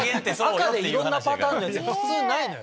赤でいろんなパターン普通ないのよ。